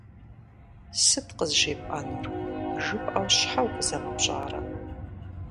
«Сыт къызжепӏэнур?» жыпӏэу, щхьэ укъызэмыупщӏрэ?